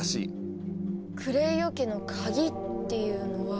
「クレイオ家の鍵」っていうのは？